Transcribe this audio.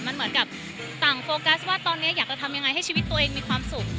มันเหมือนกับต่างโฟกัสว่าตอนนี้อยากจะทำยังไงให้ชีวิตตัวเองมีความสุข